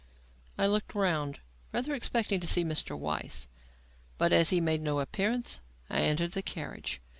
I looked round, rather expecting to see Mr. Weiss, but, as he made no appearance, I entered the carriage.